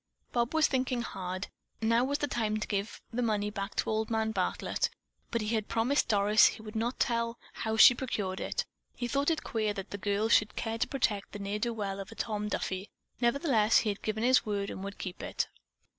Bob was thinking hard. Now was the time to give the money back to Old Man Bartlett, but he had promised Doris that he would not tell how she had procured it. He thought it queer that the girl should care to protect that ne'er do well of a Tom Duffy; nevertheless he had given his word and would keep it.